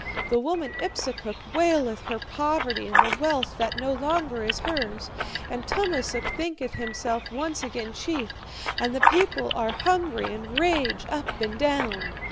The woman Ipsukuk waileth her poverty and the wealth that no longer is hers. And Tummasook thinketh himself once again chief, and the people are hungry and rage up and down.'